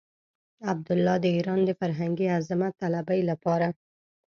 عبدالله د ايران د فرهنګي عظمت طلبۍ لپاره.